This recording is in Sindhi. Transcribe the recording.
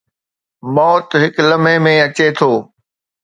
موت هڪ لمحي ۾ اچي ٿو.